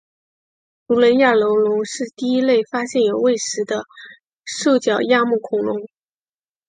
卢雷亚楼龙是第一类发现有胃石的兽脚亚目恐龙。